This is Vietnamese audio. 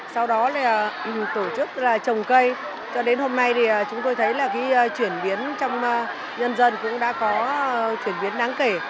sau đó tổ chức trồng cây cho đến hôm nay chúng tôi thấy chuyển biến trong nhân dân cũng đã có chuyển biến đáng kể